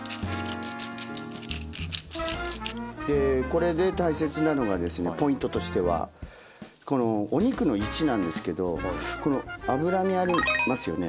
これで大切なのがポイントとしてはこのお肉の位置なんですけどこの脂身ありますよね